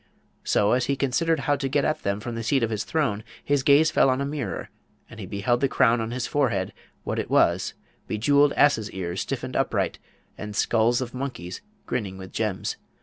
So, as he considered how to get at them from the seat of his throne, his gaze fell on a mirror, and he beheld the crown on his forehead what it was, bejewelled asses' ears stiffened upright, and skulls of monkeys grinning with gems!